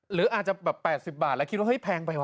หรืออาจจะแบบ๘๐บาทแล้วคิดว่าเฮงไปว